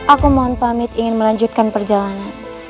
aku mohon pamit ingin melanjutkan perjalanan